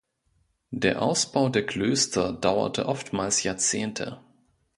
Der Ausbau der Klöster dauerte oftmals Jahrzehnte.